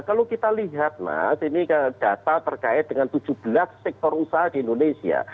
kalau kita lihat mas ini data terkait dengan tujuh belas sektor usaha di indonesia